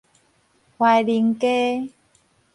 懷寧街